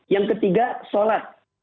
yang ketiga sholat